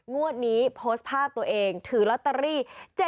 งวดนี้โพสต์ภาพตัวเองถือลอตเตอรี่